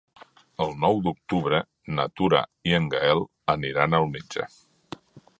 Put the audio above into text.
El nou d'octubre na Tura i en Gaël aniran al metge.